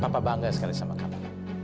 papa bangga sekali sama kamu